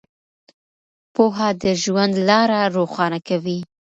پوهه د ژوند لاره روښانه کوي.